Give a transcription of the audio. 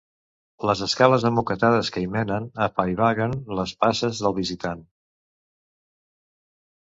Les escales emmoquetades que hi menen apaivaguen les passes del visitant.